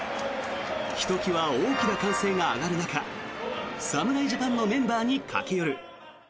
ひときわ大きな歓声が上がる中侍ジャパンのメンバーに駆け寄る。